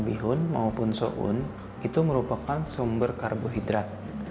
mau bihun maupun soun itu merupakan sumber karbohidrat